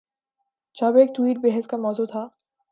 جب ایک ٹویٹ بحث کا مو ضوع تھا۔